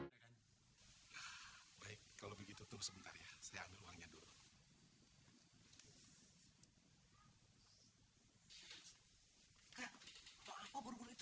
hai hai hai hai hai hai hai hai baik kalau begitu terus sebentar ya saya ambil uangnya dulu